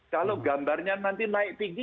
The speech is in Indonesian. kalau gambarnya nanti naik tinggi